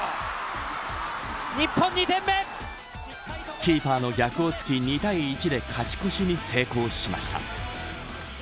キーパーの逆を突き２対１で勝ち越しに成功しました。